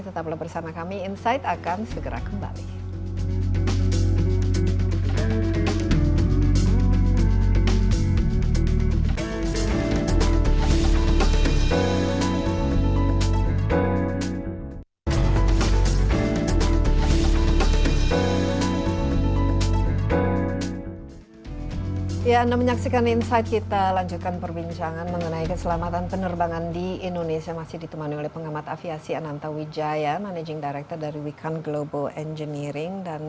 tetap bersama kami insight akan segera kembali